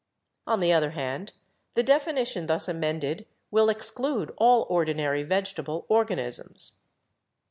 On the other hand, the definition thus amended will exclude all ordinary vegetable organisms.